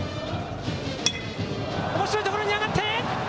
おもしろい所に上がって。